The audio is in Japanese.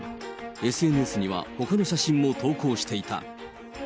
ＳＮＳにはほかの写真も投稿していた。